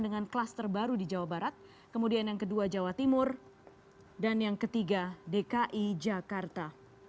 dengan klaster baru di jawa barat kemudian yang kedua jawa timur dan yang ketiga dki jakarta